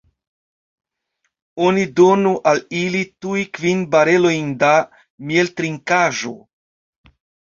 Oni donu al ili tuj kvin barelojn da mieltrinkaĵo!